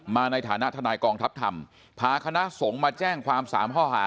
ในฐานะทนายกองทัพธรรมพาคณะสงฆ์มาแจ้งความ๓ข้อหา